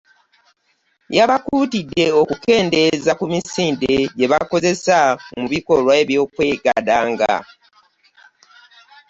Yabakuutidde okukendeeza ku misinde gye bakozesa mu bikolwa by'okwegadanga.